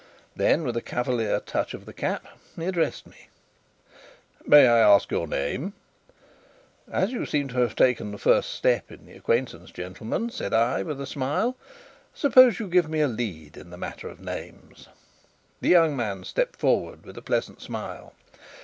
Then, with a cavalier touch of the cap, he addressed me: "May I ask your name?" "As you have taken the first step in the acquaintance, gentlemen," said I, with a smile, "suppose you give me a lead in the matter of names." The young man stepped forward with a pleasant smile.